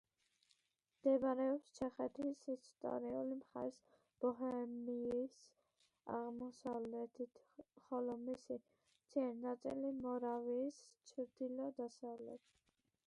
მდებარეობს ჩეხეთის ისტორიული მხარის ბოჰემიის აღმოსავლეთით, ხოლო მისი მცირე ნაწილი მორავიის ჩრდილო-დასავლეთით.